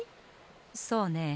そうねえ。